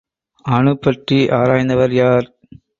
அணு பற்றி ஆராய்ந்தவர் யார்?